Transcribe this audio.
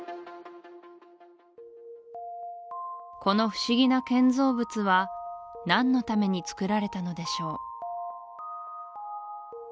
この不思議な建造物は何のためにつくられたのでしょう